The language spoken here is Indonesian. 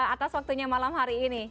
atas waktunya malam hari ini